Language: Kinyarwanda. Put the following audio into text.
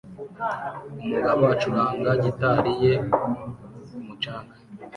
Umugabo acuranga gitari ye ku mucanga